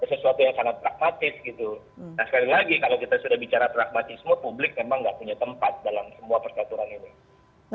dan sekali lagi kalau kita sudah bicara pragmatisme publik memang tidak punya tempat dalam semua persaturan ini